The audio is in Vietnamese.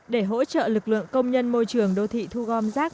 để hỗ trợ lực lượng công nhân môi trường đô thị thu gom rác